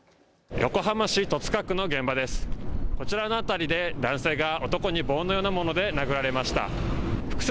横浜市戸塚区の現場です。